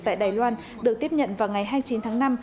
tại đài loan được tiếp nhận vào ngày hai mươi chín tháng năm